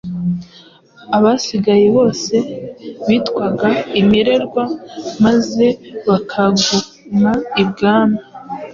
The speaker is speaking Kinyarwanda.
abasigaye bose bitwaga “imirerwa”maze bakaguma i bwami,